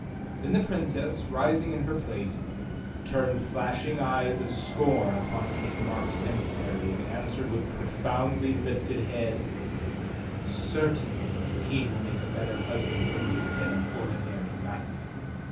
Then the Princess, rising in her place, turned flashing eyes of scorn upon KingMark's emissary and answered with proudly lifted head: "Certainly, a king will make a better husband for me than an ordinary knight."